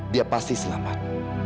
dia pasti selamat